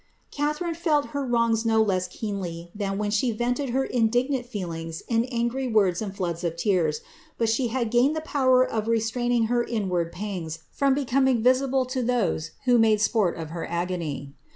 arine felt her wrongs no less keenly than when she vented her nt feelings in angry words and floods of tears; but she had gained wer of restraining her inward panfs from becoming visible to rho made sport of her agony.